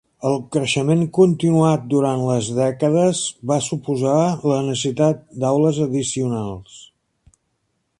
El creixement continuat durant les dècades va suposar la necessitat d'aules addicionals.